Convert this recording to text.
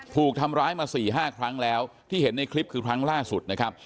ถูกทำร้ายมาสี่ห้าครั้งแล้วที่เห็นในคลิปคือครั้งล่าสุดนะครับ